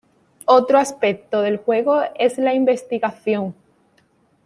Otro aspecto del juego es la investigación.